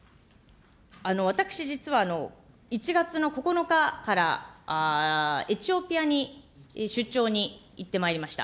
私、実は１月９日からエチオピアに出張に行ってまいりました。